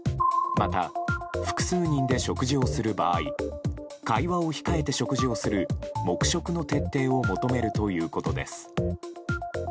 また、複数人で食事をする場合会話を控えて食事をする黙食の徹底を求めるということです。